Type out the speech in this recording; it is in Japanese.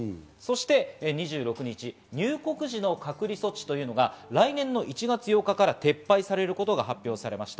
そして２６日、入国時の隔離措置というのが来年１月８日から撤廃されることが発表されました。